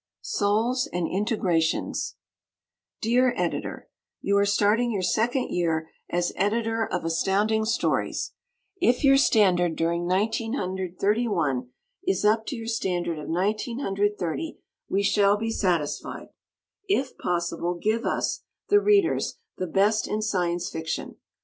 Souls and Integrations Dear Editor: You are starting your second year as Editor of Astounding Stories. If your standard during 1931 is up to your standard of 1930, we shall be satisfied. If possible, give us, the Readers, the best in Science Fiction.